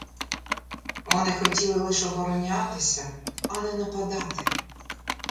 Вони хотіли лиш оборонятися, а не нападати.